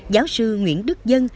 giáo sư nguyễn đức dân